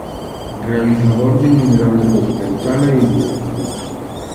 Realizador de innumerables documentales y videoclips.